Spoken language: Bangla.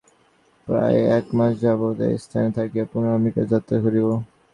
প্রায় এক মাস যাবৎ এস্থানে থাকিয়া পুন আমেরিকা যাত্রা করিব।